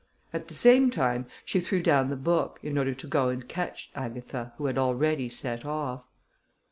At the same time, she threw down the book, in order to go and catch Agatha, who had already set off.